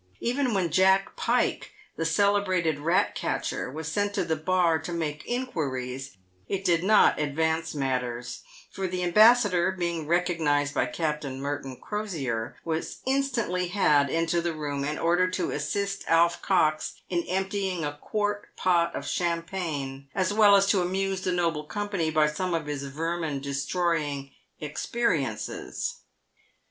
Even when Jack Pike, the celebrated rat catcher, was sent to the bar to make inquiries, it did not advance matters, for the ambassador, being re cognised by Captain Merton Crosier, was instantly had into the room, and ordered to assist Alf Cox in emptying a quart pot of champagne, as well as to amuse the noble company by some of his vermin destroy ing experiences.